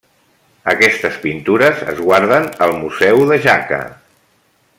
Aquestes pintures es guarden al Museu de Jaca.